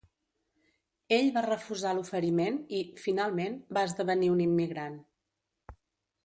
Ell va refusar l'oferiment i, finalment, va esdevenir un immigrant.